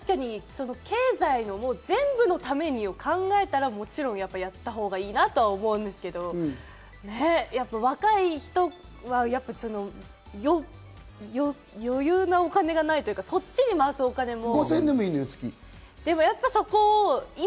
確かに経済の全部のためにと考えたら、もちろんやったほうがいいなと思うんですけど、若い人は余裕なお金がないというか、そっちに回すお金も。